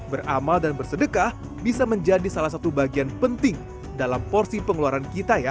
beramal dan bersedekah bisa menjadi salah satu bagian penting dalam porsi pengeluaran kita ya